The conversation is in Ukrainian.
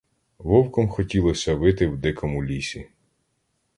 Вовком хотілося вити в дикому лісі.